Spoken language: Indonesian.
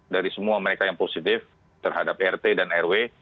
dari semua mereka yang positif terhadap rt dan rw